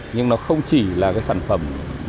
nhưng nó không chỉ là cái sản phẩm